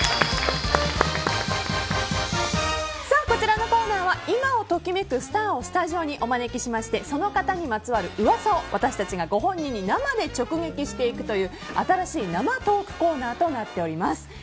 こちらのコーナーは今を時めくスターをスタジオにお招きしましてその方にまつわる噂を、私たちがご本人に生で直撃していく新しい生トークコーナーとなっております。